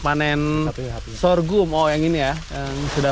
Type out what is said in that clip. panen sorghum oh yang ini ya yang sudah